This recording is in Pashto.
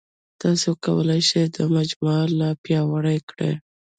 تاسو کولای شئ دا مجموعه لا پیاوړې کړئ.